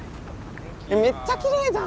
めっちゃきれいじゃん。